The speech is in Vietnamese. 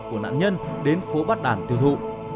của nạn nhân đến phố bắt đàn tiêu thụ